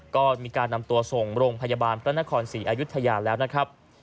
ก็มีการนำตัวส่งโรงพยาบาลพระนครศรีอายุทยาแล้วนะครับ